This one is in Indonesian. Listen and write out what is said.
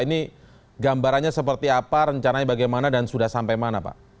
ini gambarannya seperti apa rencananya bagaimana dan sudah sampai mana pak